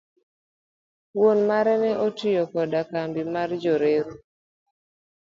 Wuon mare ne otiyo koda kambi mar Jo reru.